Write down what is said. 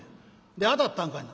で当たったんかいな？」。